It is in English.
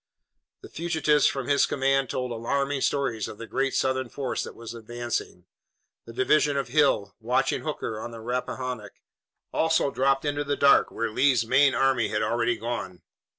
The fugitives from his command told alarming stories of the great Southern force that was advancing. The division of Hill, watching Hooker on the Rappahannock, also dropped into the dark where Lee's main army had already gone.